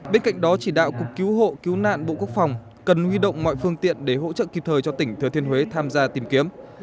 bên cạnh đó chỉ đạo cục cứu hộ cứu nạn bộ quốc phòng cần huy động mọi phương tiện để hỗ trợ kịp thời cho tỉnh thừa thiên huế tham gia tìm kiếm